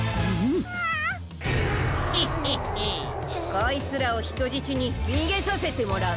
こいつらをひとじちににげさせてもらう。